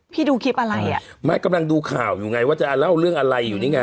ดูคลิปอะไรอ่ะไม่กำลังดูข่าวอยู่ไงว่าจะเล่าเรื่องอะไรอยู่นี่ไง